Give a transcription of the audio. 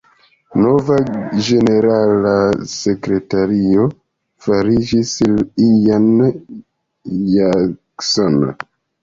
Nova ĝenerala sekretario fariĝis Ian Jackson.